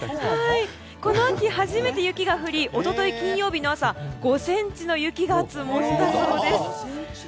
この秋初めて雪が降り一昨日、金曜日の朝５ｃｍの雪が積もったそうです。